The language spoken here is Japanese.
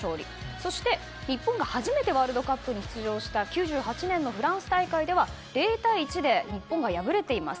そして日本が初めてワールドカップに出場した９８年のフランス大会では０対１で日本が敗れています。